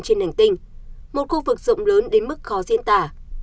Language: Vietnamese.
trên hành tinh một khu vực rộng lớn đến mức khó diên tả